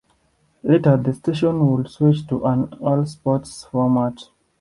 Later the station would switch to an all sports format.